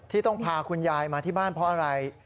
ที่ต้องพาคุณยายมาที่บ้านเพราะอะไร